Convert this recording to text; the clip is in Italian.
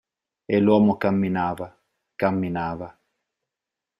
E l'uomo camminava, camminava.